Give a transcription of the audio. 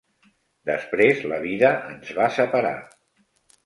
Després la vida ens va separar.